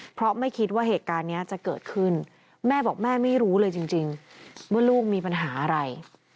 เพราะไม่คิดว่าเหตุการณ์นี้จะเกิดขึ้นแม่บอกแม่ไม่รู้เลยจริงว่าลูกมีปัญหาอะไร